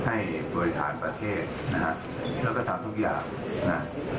ให้บริหารประเทศนะฮะแล้วก็ทำทุกอย่างนะ